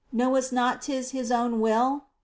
Know'st not 'tis His own will ?